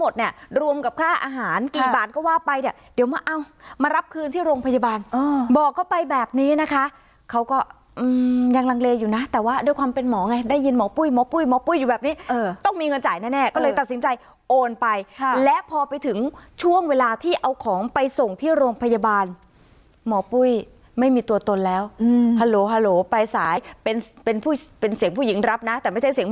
เดี๋ยวมารับคืนที่โรงพยาบาลบอกเข้าไปแบบนี้นะคะเขาก็ยังลังเลอยู่นะแต่ว่าด้วยความเป็นหมอไงได้ยินหมอปุ้ยหมอปุ้ยหมอปุ้ยอยู่แบบนี้ต้องมีเงินจ่ายแน่ก็เลยตัดสินใจโอนไปและพอไปถึงช่วงเวลาที่เอาของไปส่งที่โรงพยาบาลหมอปุ้ยไม่มีตัวตนแล้วฮัลโหลไปสายเป็นเสียงผู้หญิงรับนะแต่ไม่ใช่เสียงหม